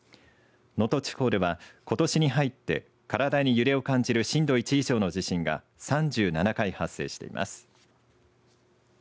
能登地方ではことしに入って体に揺れを感じる震度１以上の地震が３７回、発生しています。